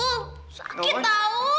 oh sakit tau